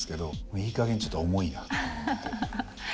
いいかげんちょっと重いなって思って。